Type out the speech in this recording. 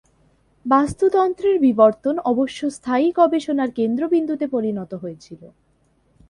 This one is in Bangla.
বাস্তুতন্ত্রের বিবর্তন অবশ্য স্থায়ী গবেষণার কেন্দ্রবিন্দুতে পরিণত হয়েছিল।